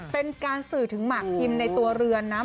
เป็นการสื่อถึงหมากพิมพ์ในตัวเรือนนะ